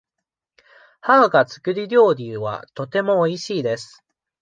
母が作る料理はとてもおいしいです。